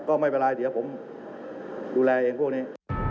ก็ไม่เป็นไรเดี๋ยวผมดูแลเองพวกนี้